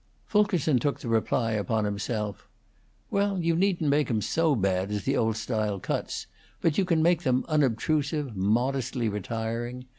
Fulkerson took the reply upon himself. "Well, you needn't make 'em so bad as the old style cuts; but you can make them unobtrusive, modestly retiring.